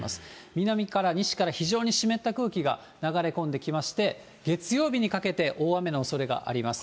南から西から非常に湿った空気が流れ込んできまして、月曜日にかけて大雨のおそれがあります。